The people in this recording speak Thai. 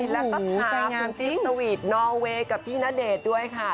แล้วก็ถามคุณทิศสวีตต์นอเวย์กับพี่ณเดชน์ด้วยค่ะ